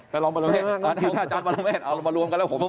แต่ลองบรรเมฆอาจารย์บรรเมฆเอาลงมารวมกันแล้วผม